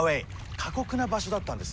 過酷な場所だったんです。